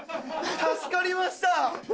助かりました！